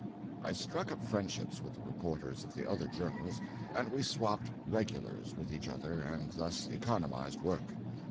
I struck up friendships with the reporters of the other journals, and we swapped "regulars" with each other and thus economized work.